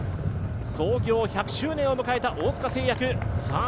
創業１００周年を迎えた大塚製薬